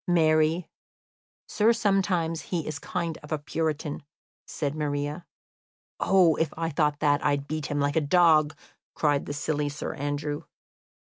"Marry, sir, sometimes he is a kind of puritan," said Maria. "Oh, if I thought that, I'd beat him like a dog!" cried the silly Sir Andrew.